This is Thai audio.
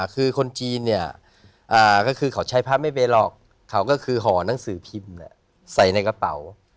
คือคนจีนเนี่ยก็คือเขาใช้พระไม่เป็นหรอกเขาก็คือห่อหนังสือพิมพ์ใส่ในกระเป๋า